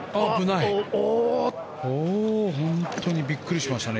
本当にびっくりしましたね